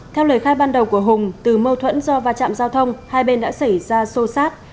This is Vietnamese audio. theo lời khai ban đầu của hùng từ mâu thuẫn do va chạm giao thông hai bên đã xảy ra xô xát